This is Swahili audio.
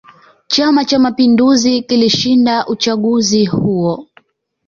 chama cha mapinduzi kilishinda uchaguzi huo